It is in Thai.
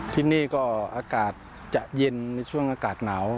ที่นี่ก็อากาศจะเย็นในช่วงอากาศหนาว